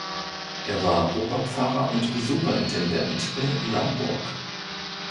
Er war Oberpfarrer und Superintendent in Naumburg.